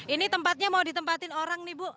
ini tempatnya mau ditempatin orang nih bu